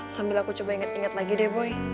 sambil aku coba inget inget lagi deh boy